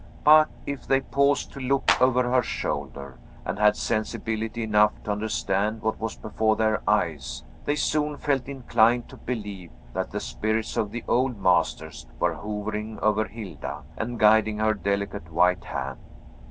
But, if they paused to look over her shoulder, and had sensibility enough to understand what was before their eyes, they soon felt inclined to believe that the spirits of the old masters were hovering over Hilda, and guiding her delicate white hand.